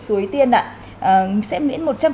suối tiên ạ sẽ miễn